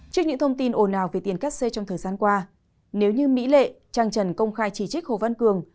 trước những thông tin ồn ào về tiền cắt xê trong thời gian qua nếu như mỹ lệ trang trần công khai chỉ trích hồ văn cường